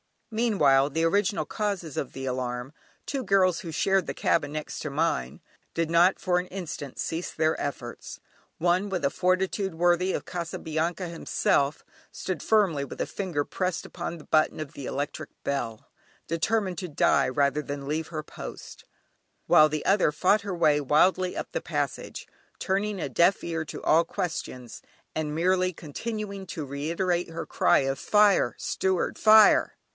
Meanwhile the original causes of the alarm two girls who shared the cabin next to mine did not for an instant cease their efforts. One, with a fortitude worthy of Casabianca himself, stood firmly with a finger pressed upon the button of the electric bell, determined to die rather than leave her post, while the other fought her way wildly up the passage, turning a deaf ear to all questions, and merely continuing to reiterate her cry of: "Fire! Steward! Fire!"